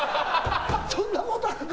そんなことあるか！